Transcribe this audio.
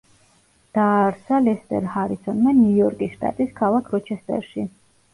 დააარსა ლესტერ ჰარისონმა ნიუ-იორკის შტატის ქალაქ როჩესტერში.